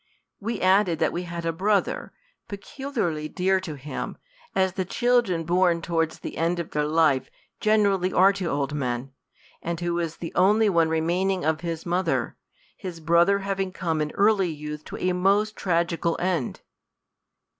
We added that we had a brother pe culiarly dear to him, as the children born towards the end of their life generally are to old men, and who is the only one remaining of his mother ; his brother hav ing con\e in early youth to a most tragical end.